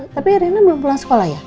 tapi erina belum pulang sekolah ya